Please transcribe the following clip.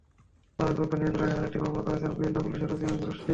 মাদকদ্রব্য নিয়ন্ত্রণ আইনে আরেকটি মামলা করেছেন গোয়েন্দা পুলিশের ওসি হামিদুর রশীদ।